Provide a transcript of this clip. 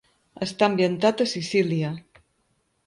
Està ambientat a Sicília.